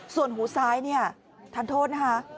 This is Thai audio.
ส่วนหูซ้ายทานโทษนะคะ